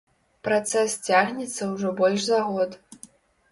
Працэс цягнецца ўжо больш за год.